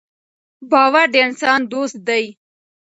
باور د انسان دوست دی.